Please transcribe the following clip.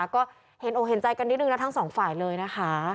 ก็เห็นอกเห็นใจกันนิดนึงนะทั้งสองฝ่ายเลยนะคะ